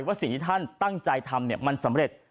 ว่าสิ่งที่ท่านตั้งใจทำมันสำเร็จ